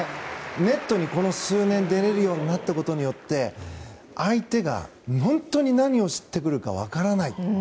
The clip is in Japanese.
ネットに数年出れるようになったことによって相手が本当に何をしてくるか分からない。